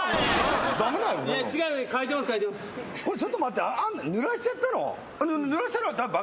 ちょっと待ってぬらしちゃったの？